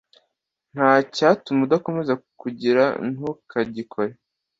nta cyatuma udakomeza kugirantukagikore